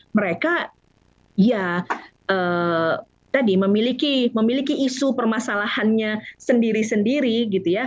mereka ya tadi memiliki isu permasalahannya sendiri sendiri gitu ya